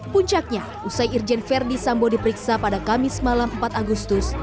puncaknya usai irjen verdi sambo diperiksa pada kamis malam empat agustus